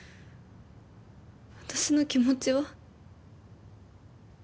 私の気持ちは？